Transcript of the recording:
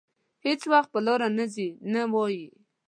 هېڅ وخت په لاره ځي نه وايي.